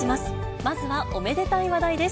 まずはおめでたい話題です。